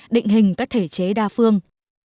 định hình các thể chế đa phương